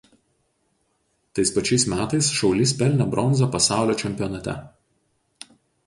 Tais pačiais metais šaulys pelnė bronzą pasaulio čempionate.